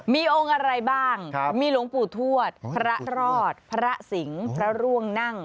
มีองค์อะไรบ้างมีหลวงปู่ทวดพระรอดพระสิงห์พระร่วงนั่ง